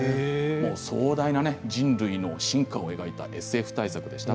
壮大な人類の進化を描いたＳＦ大作でした。